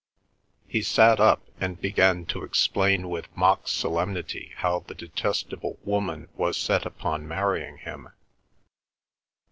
He sat up, and began to explain with mock solemnity how the detestable woman was set upon marrying him.